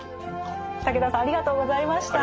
武田さんありがとうございました。